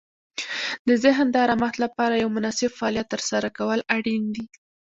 د ذهن د آرامښت لپاره یو مناسب فعالیت ترسره کول اړین دي.